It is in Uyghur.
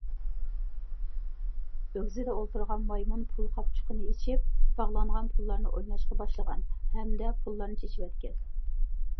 ئۆگزىدە ئولتۇرغان مايمۇن پۇل قاپچۇقىنى ئېچىپ باغلانغان پۇللارنى ئويناشقا باشلىغان ھەمدە پۇللارنى چېچىۋەتكەن.